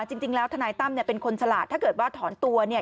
จริงแล้วทนายตั้มเนี่ยเป็นคนฉลาดถ้าเกิดว่าถอนตัวเนี่ย